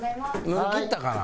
乗り切ったかな？